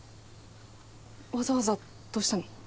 わざわざどうしたの？